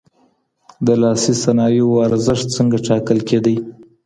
د لاسي صنايعو ارزښت څنګه ټاکل کيده؟